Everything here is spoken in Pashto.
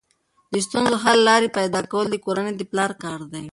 د ستونزو حل لارې پیدا کول د کورنۍ د پلار کار دی.